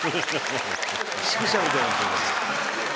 指揮者みたいになってる。